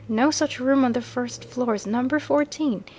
No such room on the first floor as Number Fourteen.